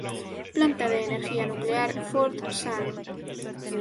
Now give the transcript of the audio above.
Planta de energía nuclear Fort St.